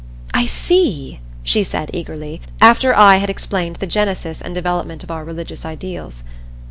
"I see," she said eagerly, after I had explained the genesis and development of our religious ideals.